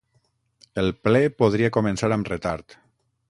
El ple podria començar amb retard.